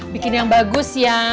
bikin yang bagus ya